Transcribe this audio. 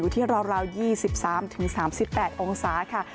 ที่ราว๒๓๓๘องศาค่ะ